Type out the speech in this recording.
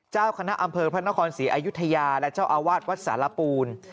เจ้าคณะอำเภอพระนครศรีอายุทยาและเจ้าอาวาสวัดสารปูน